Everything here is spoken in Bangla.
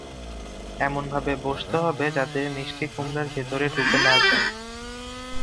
এমনভাবে বসাতে হবে যাতে পানি মিষ্টিকুমড়ার ভেতরে ঢুকে না যায়।